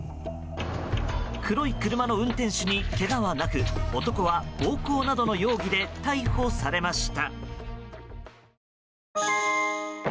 黒い車の運転手にけがはなく男は暴行などの容疑で逮捕されました。